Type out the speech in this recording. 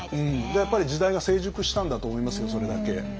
やっぱり時代が成熟したんだと思いますよそれだけ。